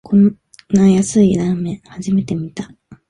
こんな安い袋ラーメン、初めて見た